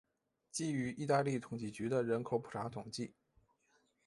基于意大利统计局的人口普查统计。